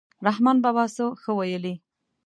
رحمان بابا څه ښه ویلي.